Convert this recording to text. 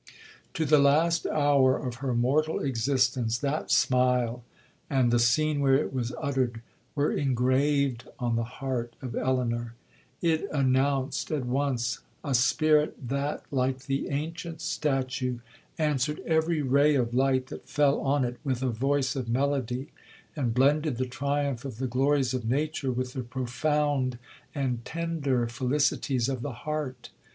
To the last hour of her mortal existence, that smile, and the scene where it was uttered, were engraved on the heart of Elinor. It announced at once a spirit, that, like the ancient statue, answered every ray of light that fell on it with a voice of melody, and blended the triumph of the glories of nature with the profound and tender felicities of the heart.